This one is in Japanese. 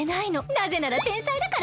なぜなら天才だから？